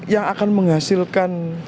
yang akan menghasilkan